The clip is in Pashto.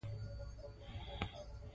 د اسد اته ويشتمه يوه تاريخي ورځ ده.